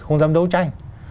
không dám đấu tranh